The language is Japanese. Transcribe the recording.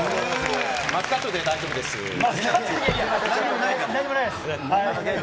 マスカットで大丈夫ですー。